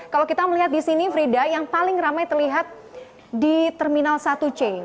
kalau kita melihat di sini frida yang paling ramai terlihat di terminal satu c